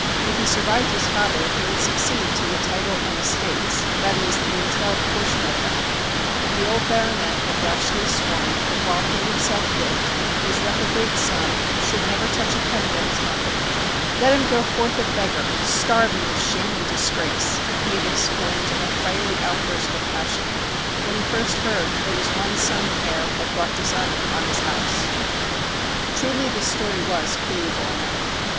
If he survived his father he would succeed to the title and estates — that is> the entailed portion of them ; but the old Baronet had rashly sworn that while he himself lived his reprobate son should never touch a penny of his money. ' Let him go forth a beggar, and starve in his shame and disgrace,' he had exclaimed in a fiery outburst of passion when he first heard that his one son and heir had brought dishonour upon his house. Truly the story was pitiable enough.